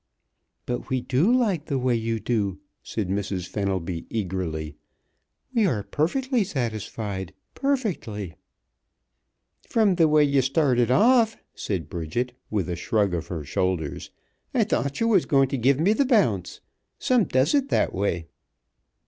"But we do like the way you do," said Mrs. Fenelby eagerly. "We are perfectly satisfied perfectly!" "From th' way ye started off," said Bridget, with a shrug of her shoulders, "I thought ye was goin' t' give me th' bounce. Some does it that way."